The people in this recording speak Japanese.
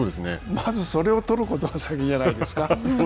まずそれを先に取ることが先じゃないですか。